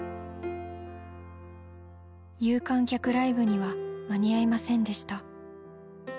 有観客ライブには間に合いませんでした。